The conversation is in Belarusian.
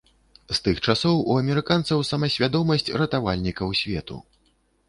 З тых часоў у амерыканцаў самасвядомасць ратавальнікаў свету.